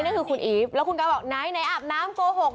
นั่นคือคุณอีฟแล้วคุณก๊บอกไหนอาบน้ำโกหก